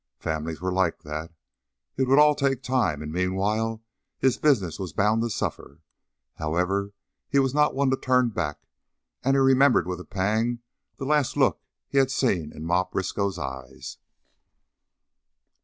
Families are like that. It would all take time, and meanwhile his business was bound to suffer. However, he was not one to turn back, and he remembered with a pang the last look he had seen in Ma Briskow's eyes.